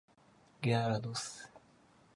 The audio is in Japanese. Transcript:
ギャラドス